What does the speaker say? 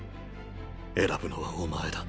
選ぶのはお前だ。